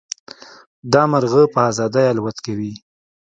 دا مرغه په ازادۍ الوت کوي.